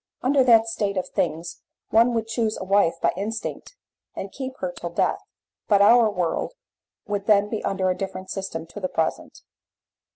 Under that state of things one would choose a wife by instinct and keep to her till death, but our world would then be under a different system to the present.